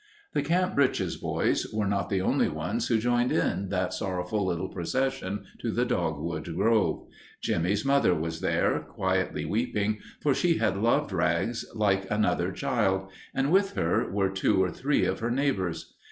The Camp Britches boys were not the only ones who joined in that sorrowful little procession to the dogwood grove. Jimmie's mother was there, quietly weeping, for she had loved Rags like another child, and with her were two or three of her neighbors.